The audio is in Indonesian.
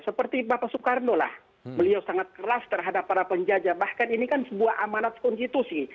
seperti bapak soekarno lah beliau sangat keras terhadap para penjajah bahkan ini kan sebuah amanat konstitusi